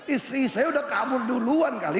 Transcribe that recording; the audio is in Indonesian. istri saya udah kabur duluan kali